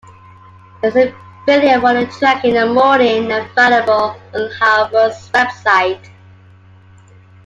There is a video for the track "In the Morning" available on Halford's website.